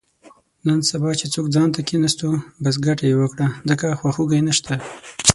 نن سبا چې څوک ځانته کېناستو، بس ګټه یې وکړه، ځکه خواخوږی نشته.